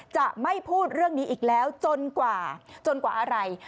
จะไม่พูดเรื่องนี้อีกแล้วจนกว่าจนกว่าอะไร